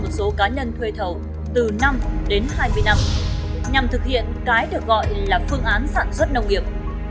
số cá nhân thuê thầu từ năm đến hai mươi năm nhằm thực hiện cái được gọi là phương án sản xuất nông nghiệp